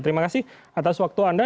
terima kasih atas waktu anda